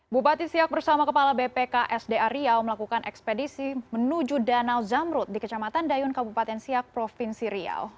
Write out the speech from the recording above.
bupati siak bersama kepala bpksda riau melakukan ekspedisi menuju danau zamrut di kecamatan dayun kabupaten siak provinsi riau